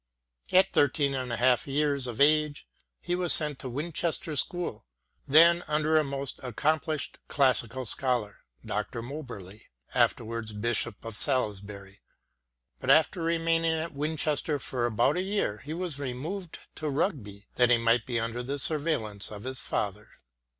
At thirteen and a half years of age he was sent to Winchester School, then under a most accomplished classical scholar, Dr* Moberly, afterwards Bishop of Salisbury ; but after remaining at Winchester for about a year he was removed to Rugby that he might be under the surveillance of his father.